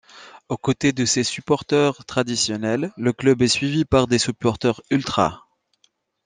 Aux côtés de ces supporteurs traditionnels, le club est suivi par des supporteurs ultras.